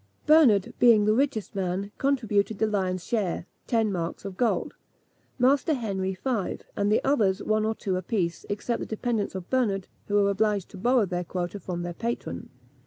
Bernard, being the richest man, contributed the lion's share, ten marks of gold, Master Henry five, and the others one or two a piece, except the dependants of Bernard, who were obliged to borrow their quota from their patron.